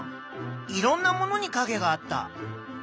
いろんなものにかげがあった。